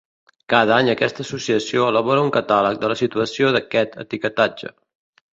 Cada any aquesta associació elabora un catàleg de la situació d'aquest etiquetatge.